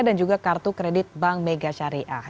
dan juga kartu kredit bank mega syariah